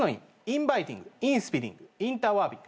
インバイティングインスピリングインターワービル。